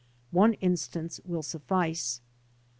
One instance will sufHce.